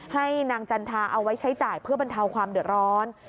ให้นางจันทาเอาไว้ใช้จ่ายเพื่อบรรเทาความเดือดร้อน